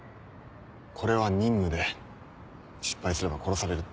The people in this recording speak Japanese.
これは任務で失敗すれば殺されるって。